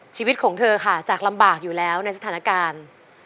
ชีวิตของเธอค่ะจากลำบากอยู่แล้วในสถานการณ์